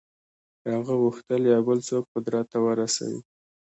هغه غوښتل یو بل څوک قدرت ته ورسوي.